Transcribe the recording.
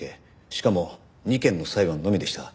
しかも２件の裁判のみでした。